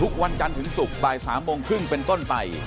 วันจันทร์ถึงศุกร์บ่าย๓โมงครึ่งเป็นต้นไป